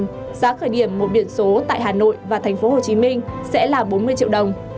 nhưng giá khởi điểm một biển số tại hà nội và tp hcm sẽ là bốn mươi triệu đồng